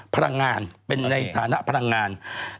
พลังงานเป็นในฐานะพลังงาน